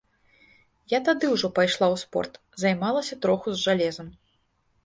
Я тады ўжо пайшла ў спорт, займалася троху з жалезам.